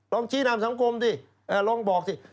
ลองชี้นามสังคมสิลองบอกสิ